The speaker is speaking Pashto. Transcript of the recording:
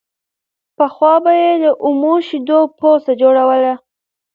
پخوا به يې له اومو شيدو پوڅه جوړوله